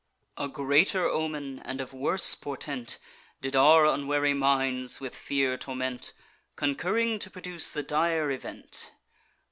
"A greater omen, and of worse portent, Did our unwary minds with fear torment, Concurring to produce the dire event.